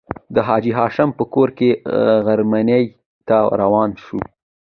د حاجي هاشم په کور کې غرمنۍ ته روان شوو.